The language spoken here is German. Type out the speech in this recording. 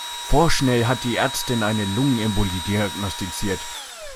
Vorschnell hat die Ärztin eine Lungenembolie diagnostiziert.